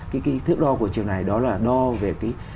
cái thước đo của chiều này đó là đo về cái